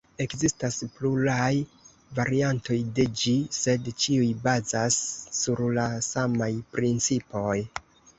Ekzistas pluraj variantoj de ĝi, sed ĉiuj bazas sur la samaj principoj.